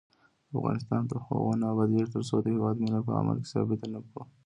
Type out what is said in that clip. افغانستان تر هغو نه ابادیږي، ترڅو د هیواد مینه په عمل کې ثابته نکړو.